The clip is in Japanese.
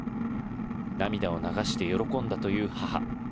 涙を流して喜んだという母。